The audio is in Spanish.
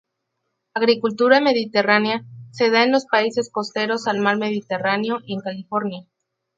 Agricultura mediterránea: se da en los países costeros al Mar Mediterráneo y en California.